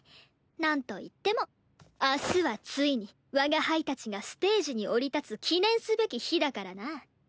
なんといっても明日はついに我が輩たちがステージに降り立つ記念すべき日だからな。